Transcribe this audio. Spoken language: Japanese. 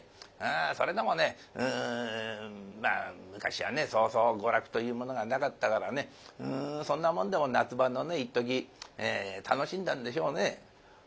それでもねまあ昔はねそうそう娯楽というものがなかったからねそんなもんでも夏場の一時楽しんだんでしょうね。